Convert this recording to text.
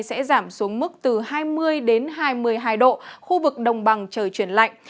sẽ giảm xuống mức từ hai mươi hai mươi hai độ khu vực đồng bằng trời chuyển lạnh